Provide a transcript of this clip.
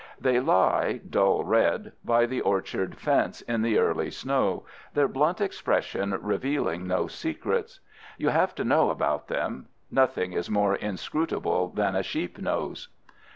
They lie, dull red, by the orchard fence in the early snow, their blunt expression revealing no secrets. You have to know about them. Nothing is more inscrutable than a sheep nose.